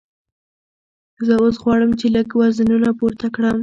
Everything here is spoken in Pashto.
زه اوس غواړم چې لږ وزنونه پورته کړم.